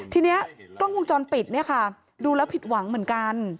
ทีนี้กล้องวงจรปิดเนี่ยค่ะดูแล้วผิดหวังเหมือนกัน